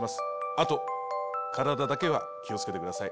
あと体だけは気を付けてください。